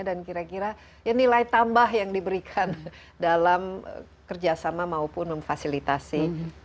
dan kira kira nilai tambah yang diberikan dalam kerjasama maupun memfasilitasi